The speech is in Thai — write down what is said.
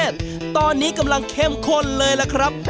ตอนนี้กำลังเข้มข้นเลยล่ะครับ